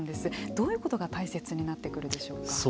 どういったことが大切になってくるでしょうか。